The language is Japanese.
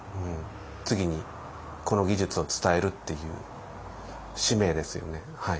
次にこの技術を伝えるっていう使命ですよね。